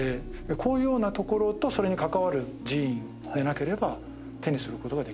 こういうような所とそれに関わる寺院でなければ手にする事ができなかった。